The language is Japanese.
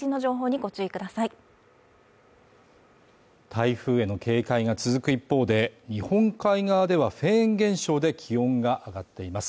台風への警戒が続く一方で日本海側ではフェーン現象で気温が上がっています